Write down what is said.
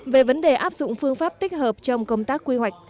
về vấn đề áp dụng phương pháp tích hợp trong công tác quy hoạch